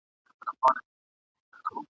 دا له کومو جنتونو یې راغلی !.